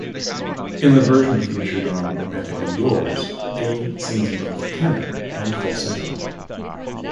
In the version featured on "Romantically Yours", Gaye sings in both tenor and falsetto.